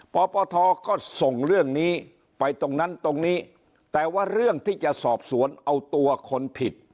ปปทก็ส่งเรื่องนี้ไปตรงนั้นตรงนี้แต่ว่าเรื่องที่จะสอบสวนเอาตัวคนผิด